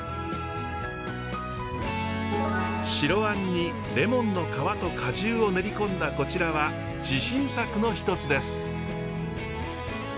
白あんにレモンの皮と果汁を練り込んだこちらは自信作の一つです。